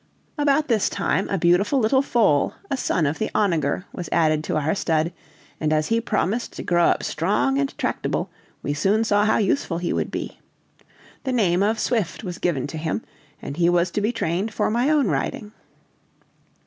About this time, a beautiful little foal, a son of the onager, was added to our stud, and as he promised to grow up strong and tractable, we soon saw how useful he would be. The name of Swift was given to him, and he was to be trained for my own riding.